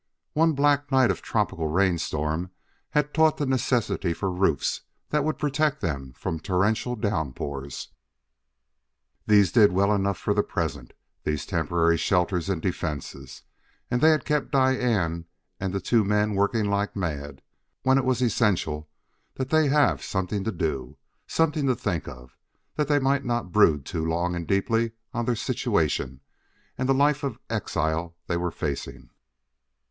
One black night of tropic rainstorm had taught the necessity for roofs that would protect them from torrential downpours. These did well enough for the present, these temporary shelters and defenses, and they had kept Diane and the two men working like mad when it was essential that they have something to do, something to think of, that they might not brood too long and deeply on their situation and the life of exile they were facing.